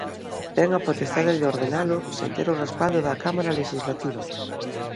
Ten a potestade de ordenalo sen ter o respaldo da cámara lexislativa.